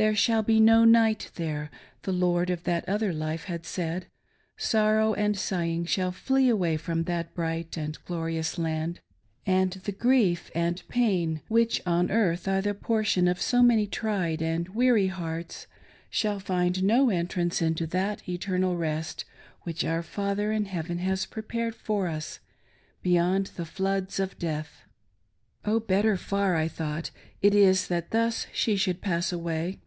" There shall be no night there," the Lord of that other life had said. Sorrow and sighing shall flee away from that bright and glorious land ; BEYOND THE FLOODS OF DEATH. 447 and the grief and pain which on earth are the portion of so many tried and weary hearts, shall find no entrance into that eternal rest which our Father in heaven has prepared for us beyond the floods of death. Oh, better far, I thought, it is that thus she should pass away.